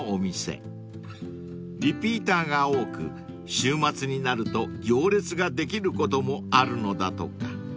［リピーターが多く週末になると行列ができることもあるのだとか］